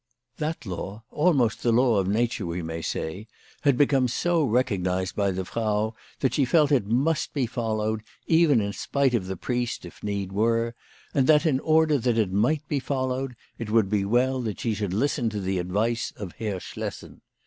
That law, almost of nature we may say, 16 WHY FRAU FROHMANN RAISED HER PRICES. had become so recognised by the Frau that she felt that it must be followed, even in spite of the priest if need were, and that, in order that it might be followed, it would be well that she should listen to the advice of Herr Schlessen.